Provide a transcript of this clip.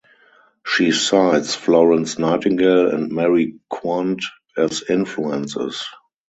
She cites Florence Nightingale and Mary Quant as influences.